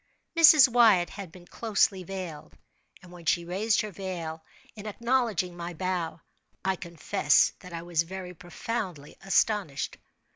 Mrs. Wyatt had been closely veiled; and when she raised her veil, in acknowledging my bow, I confess that I was very profoundly astonished.